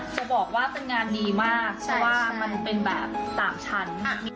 จะบอกว่าเป็นงานดีมากมันเป็นแบบสามชั้น